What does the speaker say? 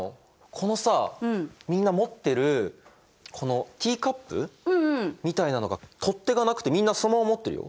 このさみんな持ってるこのティーカップみたいなのが取っ手がなくてみんなそのまま持ってるよ。